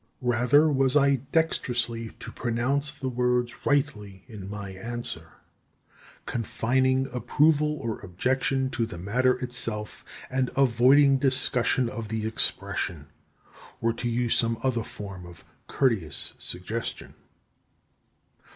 Rather was I dexterously to pronounce the words rightly in my answer, confining approval or objection to the matter itself, and avoiding discussion of the expression, or to use some other form of courteous suggestion.